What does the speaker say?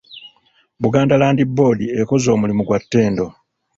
Buganda Land Board ekoze omulimu gwa ttendo.